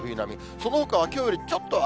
そのほかはきょうよりちょっと上